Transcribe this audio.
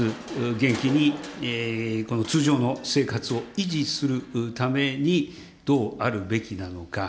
元気に通常の生活を維持するために、どうあるべきなのか。